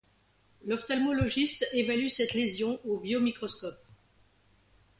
L'ophtalmologiste évalue cette lésion au biomicroscope.